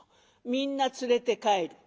みんな連れて帰る。